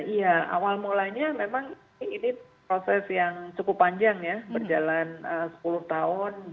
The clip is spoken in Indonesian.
iya awal mulanya memang ini proses yang cukup panjang ya berjalan sepuluh tahun